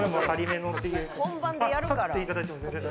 「本番でやるから」